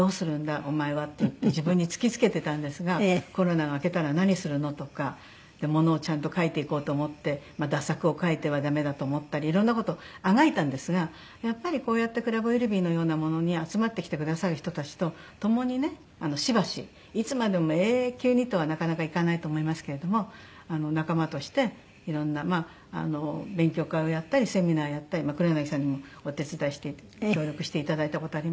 お前はっていって自分に突きつけてたんですがコロナが明けたら何するの？とかものをちゃんと書いていこうと思って駄作を書いてはダメだと思ったりいろんな事をあがいたんですがやっぱりこうやってクラブ・ウィルビーのようなものに集まってきてくださる人たちとともにねしばしいつまでも永久にとはなかなかいかないと思いますけれども仲間としていろんな勉強会をやったりセミナーやったり黒柳さんにもお手伝いして協力していただいた事ありますが。